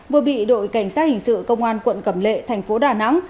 vừa bị đội cảnh sát hình sự công an quận cẩm lệ thành phố đà nẵng